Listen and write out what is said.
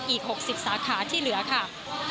อีก๖๐สาขาที่เหลือค่ะ